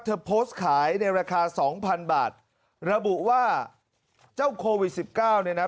เธอโพสต์ขายในราคา๒๐๐๐บาทระบุว่าเจ้าโควิด๑๙เนี่ยนะ